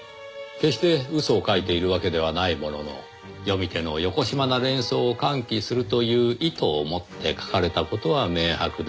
決して嘘を書いているわけではないものの読み手のよこしまな連想を喚起するという意図をもって書かれた事は明白で。